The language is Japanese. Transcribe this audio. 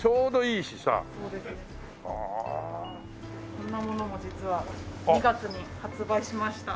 こんなものも実は２月に発売しました。